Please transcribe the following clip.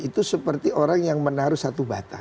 itu seperti orang yang menaruh satu bata